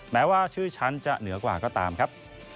แม้ว่าชื่อฉันจะเหนือกว่าก็ตามครับ